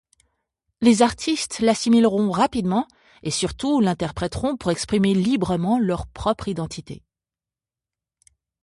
Les artistes l’assimileront rapidement et surtout l’interpréteront pour exprimer librement leur propre identité.